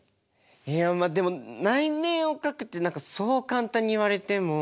いやまあでも内面を描くってそう簡単に言われても。